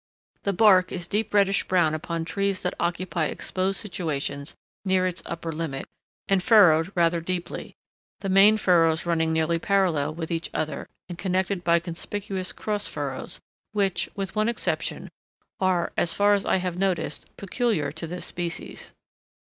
The bark is deep reddish brown upon trees that occupy exposed situations near its upper limit, and furrowed rather deeply, the main furrows running nearly parallel with each other, and connected by conspicuous cross furrows, which, with one exception, are, as far as I have noticed, peculiar to this species.